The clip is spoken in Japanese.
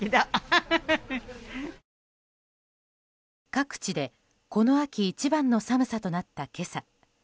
各地でこの秋一番の寒さとなった今朝。